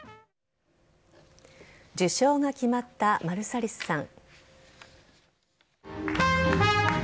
受賞が決まったマルサリスさん。